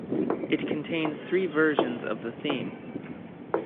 It contains three versions of the theme.